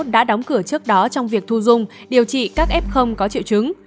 đã đóng cửa trước đó trong việc thu dung điều trị các f có triệu chứng